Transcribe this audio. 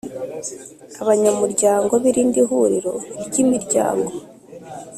abanyamuryango b irindi huriro ry imiryango